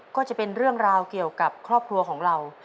ก็จะเป็นเรื่องราวเกี่ยวกับครอบครัวของเรา